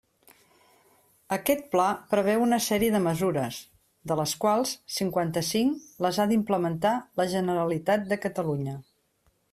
Aquest pla preveu una sèrie de mesures, de les quals cinquanta-cinc les ha d'implementar la Generalitat de Catalunya.